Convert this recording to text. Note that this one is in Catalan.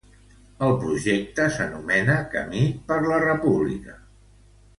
El projecte s’anomena Camí per la República.